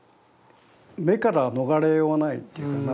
目から逃れようがないっていうかな